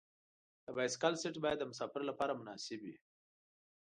د بایسکل سیټ باید د مسافر لپاره مناسب وي.